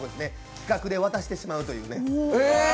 企画で渡してしまうというね。